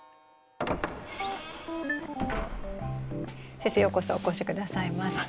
先生ようこそお越しくださいました。